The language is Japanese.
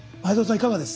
いかがです？